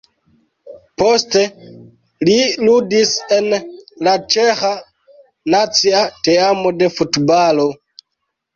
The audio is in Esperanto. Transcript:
Poste li ludis en la ĉeĥa nacia teamo de futbalo.